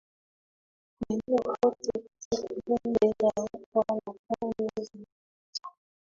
kuenea kote katika Bonde la Ufa na pande za ardhi